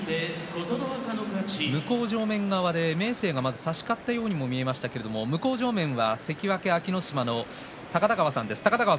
向正面側で明生がまず差し勝ったようにも見えましたが向正面は関脇安芸乃島の高田川さんです。